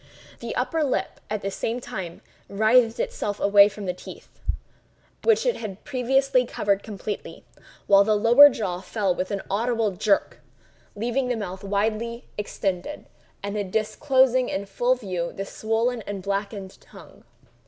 The upper lip, at the same time, writhed itself away from the teeth, which it had previously covered completely; while the lower jaw fell with an audible jerk, leaving the mouth widely extended, and disclosing in full view the swollen and blackened tongue.